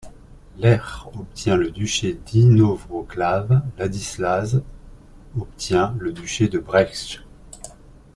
Lech obtient le Duché d'Inowrocław, Ladislas obtient le Duché de Brześć.